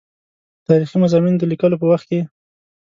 تاریخي مضامینو د لیکلو په وخت کې.